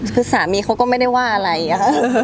คือสามีเขาก็ไม่ได้ว่าอะไรอะค่ะ